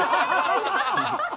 ハハハハ。